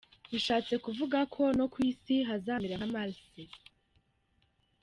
Bishatse kuvugako no ku isi hazamera nka Mars,.